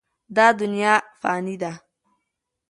دا دنیا فاني ده.